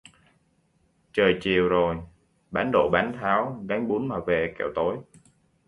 Trời chiều rồi, bán đổ bán tháo gánh bún mà về kẻo tối